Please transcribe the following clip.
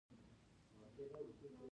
بریدمنه، له ده وروسته څوک مري؟ اوس چېرې ځو؟